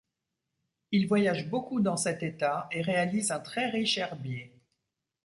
Il voyage beaucoup dans cet État et réalise un très riche herbier.